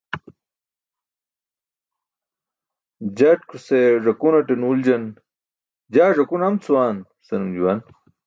Jatkuse ẓakunate nuuljaan "jaa ẓakun am cʰuwaan" senum juwan.